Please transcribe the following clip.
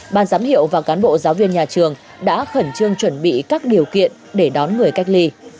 ban giám hiệu và cán bộ giáo viên nhà trường đã khẩn trương chuẩn bị các điều kiện để đón người cách ly